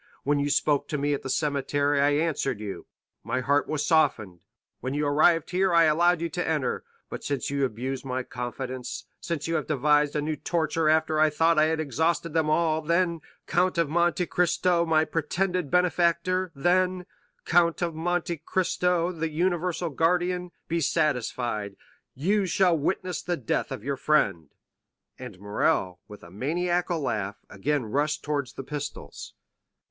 When you spoke to me at the cemetery, I answered you—my heart was softened; when you arrived here, I allowed you to enter. But since you abuse my confidence, since you have devised a new torture after I thought I had exhausted them all, then, Count of Monte Cristo my pretended benefactor—then, Count of Monte Cristo, the universal guardian, be satisfied, you shall witness the death of your friend;" and Morrel, with a maniacal laugh, again rushed towards the pistols.